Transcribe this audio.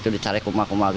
di cari keumah kumah